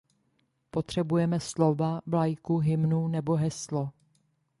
Potřebujeme slova, vlajku, hymnu nebo heslo.